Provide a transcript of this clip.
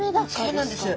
そうなんです。